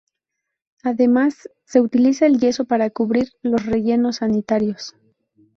Además, se utiliza el yeso para cubrir los rellenos sanitarios.